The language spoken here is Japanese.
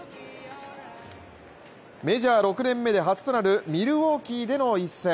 メジャー６年目で初となるミルウォーキーでの一戦。